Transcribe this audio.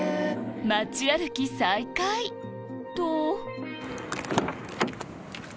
街歩き再開！と？